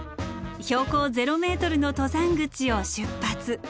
標高０ｍの登山口を出発。